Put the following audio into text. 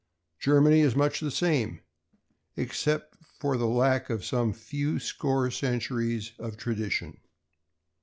Germany is much the same, except for the lack of some few score centuries of tradition.